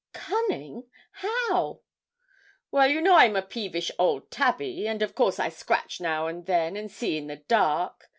'Cunning! how?' 'Well, you know I'm a peevish old Tabby, and of course I scratch now and then, and see in the dark.